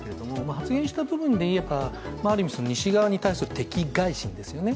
発言した部分でいえば、ある意味西側に対する敵がい心ですよね。